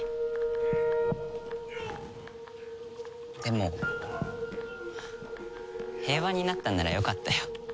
でも平和になったならよかったよ。